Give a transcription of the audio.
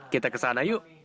kita ke sana yuk